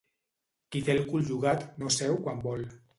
Qui té el cul llogat, no seu quan vol.